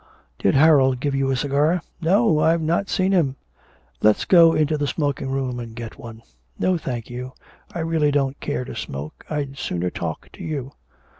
'Did Harold give you a cigar?' 'No, I have not seen him.' 'Let's go into the smoking room and get one.' 'No, thank you, I really don't care to smoke. I'd sooner talk to you.'